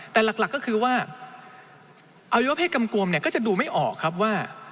แต่หลักก็คือว่าอวัยวะเพศกำกวมเนี่ยก็จะดูไม่ออกครับว่า